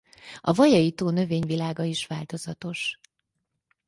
A Vajai-tó növényvilága is változatos.